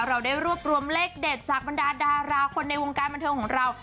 เราได้รวบรวมเลขเด็ดจากบรรดาดาราคนในวงการบันเทิงของเรา